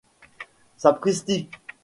Sapristi !